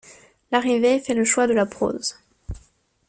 Larivey fait le choix de la prose.